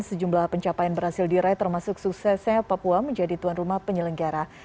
sejumlah pencapaian berhasil diraih termasuk suksesnya papua menjadi tuan rumah penyelenggara